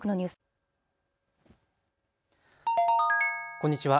こんにちは。